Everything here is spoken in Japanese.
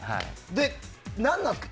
で、何なんですか？